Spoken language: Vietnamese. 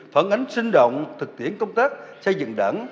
phản ánh sinh động thực tiễn công tác xây dựng đảng